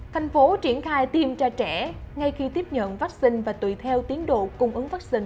thành phố triển khai tiêm cho trẻ ngay khi tiếp nhận vaccine và tùy theo tiến độ cung ứng vaccine